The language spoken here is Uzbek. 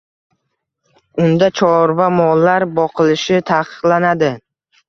Unda chorva mollar boqilishi taqiqlanadi.